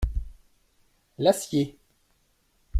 L’acier.